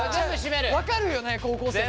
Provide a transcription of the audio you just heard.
分かるよね高校生。